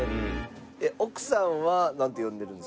奥さんはなんて呼んでるんですか？